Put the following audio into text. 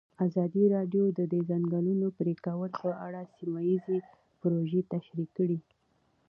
ازادي راډیو د د ځنګلونو پرېکول په اړه سیمه ییزې پروژې تشریح کړې.